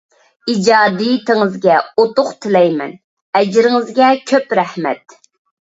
ئىجادىيىتىڭىزگە ئۇتۇق تىلەيمەن، ئەجرىڭىزگە كۆپ رەھمەت!